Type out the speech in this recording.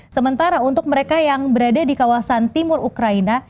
sementara untuk mereka yang berada di kawasan timur ukraina